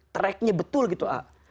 tracknya betul gitu